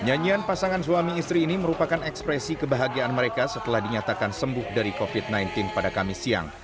nyanyian pasangan suami istri ini merupakan ekspresi kebahagiaan mereka setelah dinyatakan sembuh dari covid sembilan belas pada kamis siang